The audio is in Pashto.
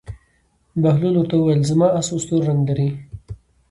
بهلول ورته وویل: زما اس تور رنګ لري.